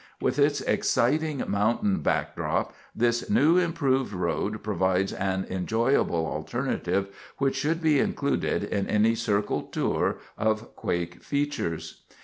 With its exciting mountain backdrop, this new, improved road provides an enjoyable alternative which should be included in any circle tour of quake features.